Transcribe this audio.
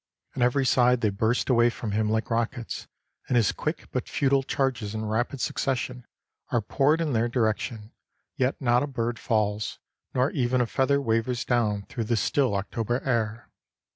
On every side they burst away from him like rockets, and his quick but futile charges in rapid succession are poured in their direction, yet not a bird falls, nor even a feather wavers down through the still October air.